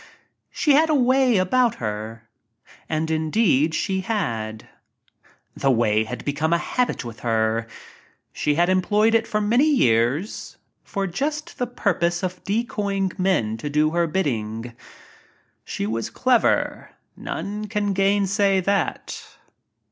She had "a way" about her. And, indeed, she had. This "way" had become a habit with her. She had employed it for many years for just the purpose of decoying men to do her bidding. She was clever, none can gainsay that.